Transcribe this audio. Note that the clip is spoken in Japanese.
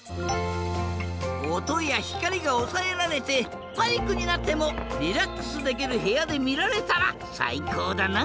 おとやひかりがおさえられてパニックになってもリラックスできるへやでみられたらさいこうだな。